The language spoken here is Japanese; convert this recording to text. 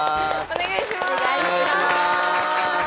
お願いします。